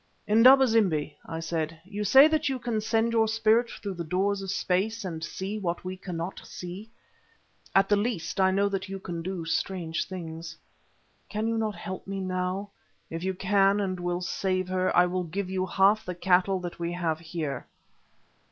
"Indaba zimbi," I said, "you say that you can send your spirit through the doors of space and see what we cannot see. At the least I know that you can do strange things. Can you not help me now? If you can, and will save her, I will give you half the cattle that we have here."